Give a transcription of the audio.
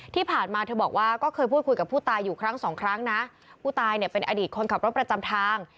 ที่ผ่านมาเธอบอกว่าก็เคยพูดคุยกับผู้ตายอยู่ครั้งสองครั้งนะผู้ตายเนี่ยเป็นอดีตคนขับรถประจำทาง